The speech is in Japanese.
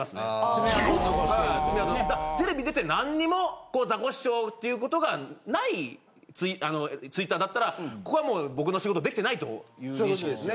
テレビ出てなんにもこうザコシショウっていうことがないツイッターだったらここはもう僕の仕事できてないという認識ですね。